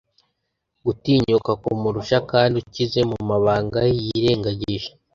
gutinyuka kumurusha kandi ukize mumabanga yirengagije